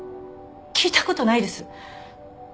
聞いたことないです。